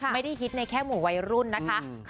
ไม่ได้ฮิตในแค่หมู่วัยรุ่นนะคะ